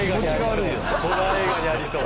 ホラー映画にありそう。